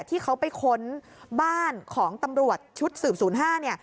ที่เขาไปค้นบ้านของตำรวจชุดสืบศูนย์๕เนี่ย